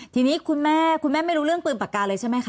ทีนี้คุณแม่คุณแม่ไม่รู้เรื่องปืนปากกาเลยใช่ไหมคะ